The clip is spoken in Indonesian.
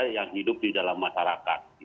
yang hidup di dalam masyarakat